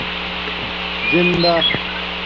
زندہ